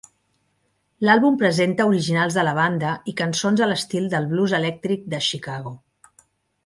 L'àlbum presenta originals de la banda i cançons a l'estil del blues elèctric de Chicago.